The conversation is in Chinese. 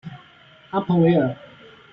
阿彭维尔。